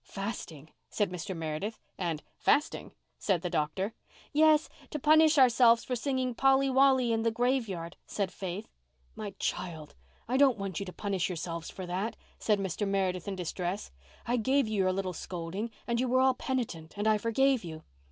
"Fasting!" said Mr. Meredith, and "Fasting?" said the doctor. "Yes—to punish ourselves for singing Polly Wolly in the graveyard," said Faith. "My child, I don't want you to punish yourselves for that," said Mr. Meredith in distress. "I gave you your little scolding—and you were all penitent—and I forgave you."